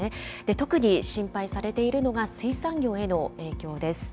特に心配されているのが、水産業への影響です。